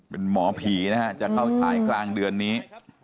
เป็นหมอผีนะฮะจะเข้าฉายกลางเดือนนี้